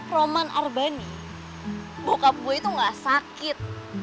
roman arbani bokap gue itu gak sakit